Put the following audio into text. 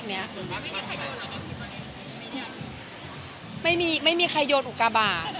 แล้วไม่มีใครโยนอุกาบาทเลยไม่มีใครโยนอุกาบาท